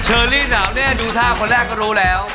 เชอรี่หนาวแน่ดูท่าคนแรกก็รู้แล้ว